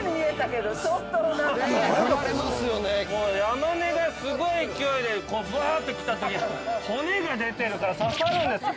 ◆山根がすごい勢いでぶわー！って来たとき骨が出てるから刺さるんです。